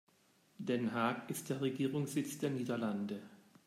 Den Haag ist der Regierungssitz der Niederlande.